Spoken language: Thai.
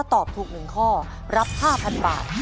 ตอบถูก๑ข้อรับ๕๐๐๐บาท